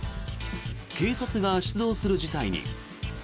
警察が出動する事態に。